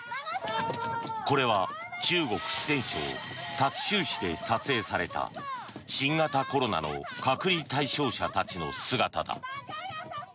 これは中国・四川省達州市で撮影された新型コロナの隔離対象者たちの姿だ。